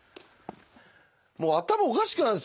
もう頭おかしくなるんですよ。